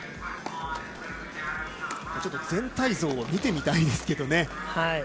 全体像を見てみたいですけどね。